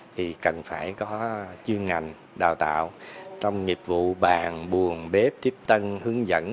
thì cần phải có chuyên ngành đào tạo trong nghiệp vụ bàn buồn bếp trip tân hướng dẫn